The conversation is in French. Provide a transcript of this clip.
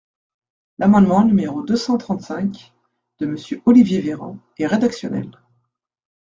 L’amendement numéro deux cent trente-cinq de Monsieur Olivier Véran est rédactionnel.